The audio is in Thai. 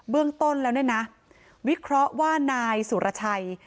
เรื่องต้นแล้วเนี่ยนะวิเคราะห์ว่านายสุรชัย